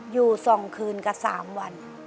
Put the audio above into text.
อยู่สองคืนกับสามวัน